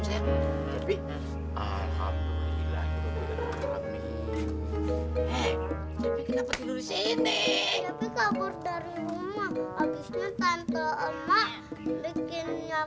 cepi malah milih burung daripada milih emaknya